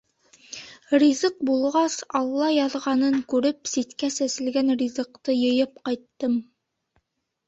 Ризыҡ булғас, алла яҙғанын күреп, ситкә сәселгән ризыҡты йыйып ҡайттым.